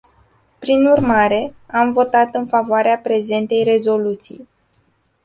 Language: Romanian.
Prin urmare, am votat în favoarea prezentei rezoluții.